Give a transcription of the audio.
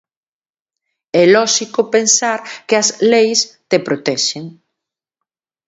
É lóxico pensar que as leis te protexen.